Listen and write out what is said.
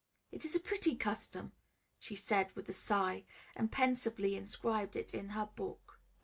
"It is a pretty custom," she said with a sigh; and pensively inscribed it in her book.